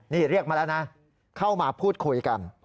นี่เรียกมาแล้วนะเข้ามาพูดคุยกัน